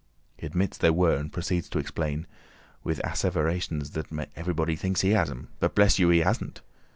He admits there were and proceeds to explain, with asseverations that everybody thinks he has 'em! But bless you! he hasn't.